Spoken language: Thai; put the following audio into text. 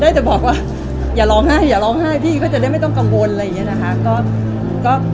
จะบอกว่าอย่าร้องไห้อย่าร้องไห้พี่ก็จะได้ไม่ต้องกังวลอะไรอย่างนี้นะคะ